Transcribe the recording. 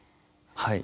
はい。